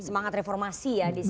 semangat reformasi ya di situ ya